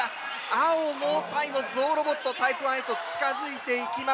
青のタイのゾウロボットタイプ１へと近づいていきます。